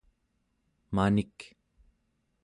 manik